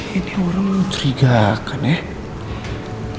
ini orang mencerigakan ya